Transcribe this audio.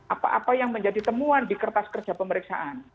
apa apa yang menjadi temuan di kertas kerja pemeriksaan